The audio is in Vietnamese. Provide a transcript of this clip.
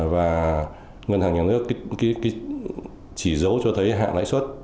và ngân hàng nhà nước cái chỉ dấu cho thấy hạ lãi suất